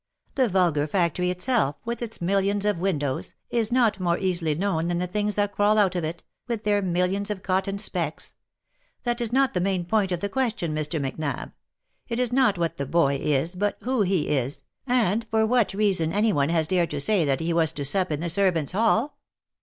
The vulgar fac tory itself, with its millions of windows, is not more easily known than the things that crawl out of it, with their millions of cotton specks — that is not the main point of the question, Mr. Macnab : it is not what the boy is, but who he is, and for what reason any one has dared to say that he was to sup in the servants' hall."